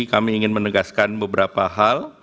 kami ingin menegaskan beberapa hal